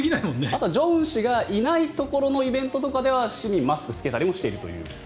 あと、正恩氏がいないところのイベントでは市民はマスクを着けたりもしているという。